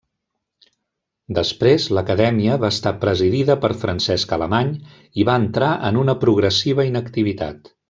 Després, l'Acadèmia va estar presidida per Francesc Alemany i va entrar en una progressiva inactivitat.